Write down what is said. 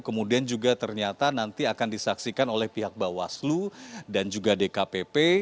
kemudian juga ternyata nanti akan disaksikan oleh pihak bawaslu dan juga dkpp